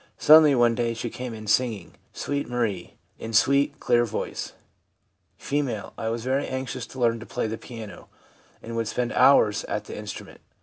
Suddenly, one day, she came in singing u Sweet Marie " in sweet, clear voice/ F. ' I was very anxious to learn to play the piano, and would spend hours at the instrument.